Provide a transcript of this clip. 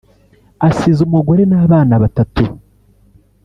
Asize umugore n’abana batatu